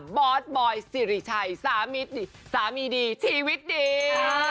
บอสบอยสิริชัยสามีสามีดีชีวิตดี